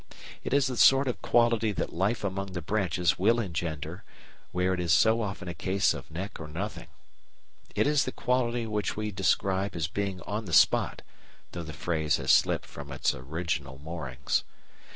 It is the sort of quality that life among the branches will engender, where it is so often a case of neck or nothing. It is the quality which we describe as being on the spot, though the phrase has slipped from its original moorings.